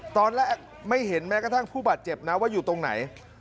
ตอนแรกไม่เห็นแม้กระทั่งผู้บาดเจ็บนะว่าอยู่ตรงไหน